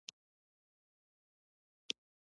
کچالو د خاورې نرمښت ته اړتیا لري